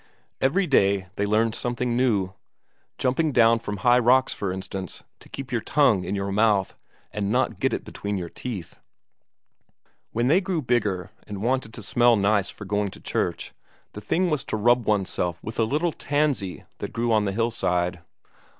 Every day they learned something new. Jumping down from high rocks, for instance, to keep your tongue in your mouth, and not get it between your teeth. When they grew bigger, and wanted to smell nice for going to church, the thing was to rub oneself with a little tansy that grew on the hillside.